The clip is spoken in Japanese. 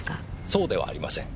そうではありません。